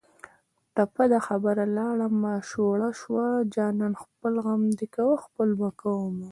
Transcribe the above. ټپه ده: خبره لاړه ماشوړه شوه جانانه خپل غم دې کوه خپل به کومه